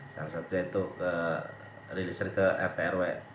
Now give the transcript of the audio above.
yang satu itu rilisir ke rtrw